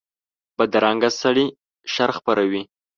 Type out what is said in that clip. بدرنګه سړي شر خپروي